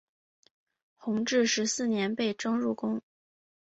弘治十四年被征入宫。